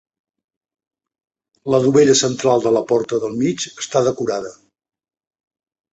La dovella central de la porta del mig està decorada.